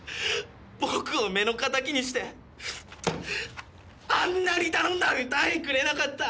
僕を目の敵にしてあんなに頼んだのに単位くれなかった！